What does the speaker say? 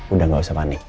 udah gak usah panik